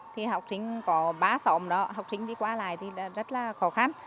thì học trình có ba xóm đó học trình đi qua lại thì rất là khó khăn